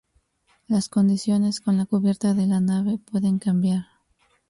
Las condiciones en la cubierta de la nave pueden cambiar.